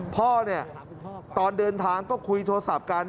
พ่อเนี่ยตอนเดินทางก็คุยโทรศัพท์กัน